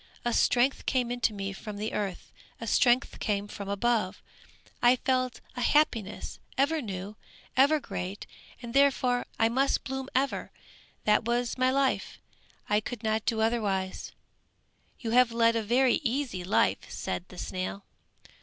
A strength came to me from the earth, a strength came from above, I felt a happiness, ever new, ever great and therefore I must blossom ever, that was my life, I could not do otherwise!" "You have led a very easy life!" said the snail.